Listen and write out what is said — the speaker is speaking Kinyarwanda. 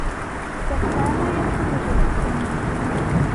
Gasana yakomeje gukina umukino we.